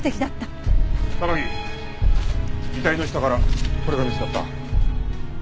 榊遺体の下からこれが見つかった。